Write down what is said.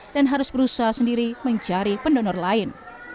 dan harus berusaha sendiri mencari pendonor lain